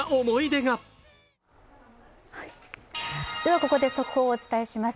ここで速報をお伝えします。